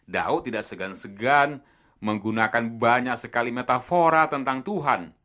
daud tidak segan segan menggunakan banyak sekali metafora tentang tuhan